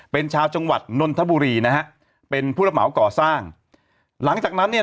เป็นชาวจังหวัดนนทบุรี